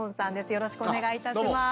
よろしくお願いしたします